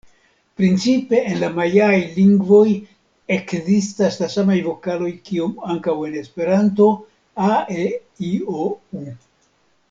Principe en la majaaj lingvoj ekzistas la samaj vokaloj kiom ankaŭ en Esperanto: a-e-i-o-u.